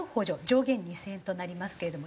上限２０００円となりますけれども。